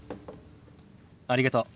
ありがとう。